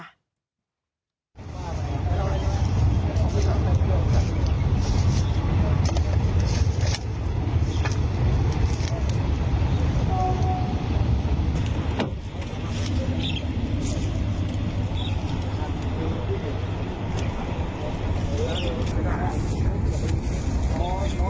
ฮึผมเอาละ